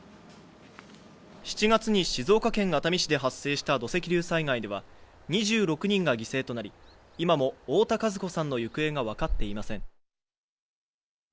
７月に静岡県熱海市で発生した土石流災害では２６人が犠牲となり、今も太田和子さんの行方が分かっていません。